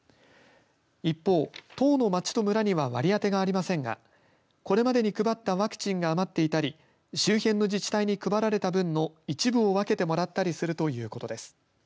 一方、１０の町と村には割り当てがありませんがこれまでに配ったワクチンが余っていたり、周辺の自治体に配られた分の一部を分けてもらったりするということです。